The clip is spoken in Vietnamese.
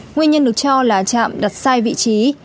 nguyên nhân được cho là trạm đặt sai vị trí